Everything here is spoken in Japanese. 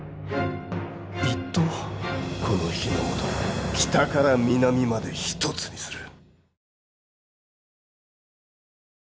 この日ノ本を北から南まで一つにする。